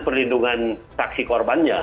perlindungan saksi korbannya